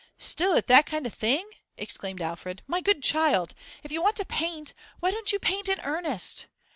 'Still at that kind of thing!' exclaimed Alfred. 'My good child, if you want to paint, why don't you paint in earnest?